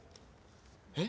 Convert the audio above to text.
えっ？